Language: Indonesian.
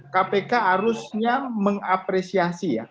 kpk harusnya mengapresiasi ya